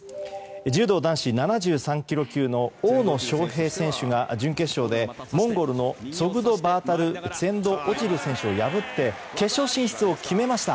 柔道男子７３ｋｇ級の大野将平選手が準決勝でモンゴルのツォグドバータル・ツェンド・オチル選手を破って決勝進出を決めました。